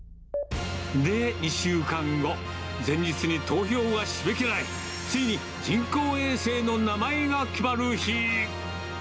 で、２週間後、前日に投票は締め切られ、ついに人工衛星の名前が決まる日。